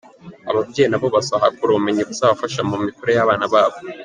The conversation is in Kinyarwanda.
Ababyeyi na bo bazahakura ubumenyi buzabafasha mu mikurire y’abana babo.